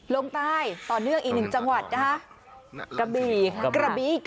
ลงใต้ต่อเนื่องอีก๑จังหวัดนะคะกระบี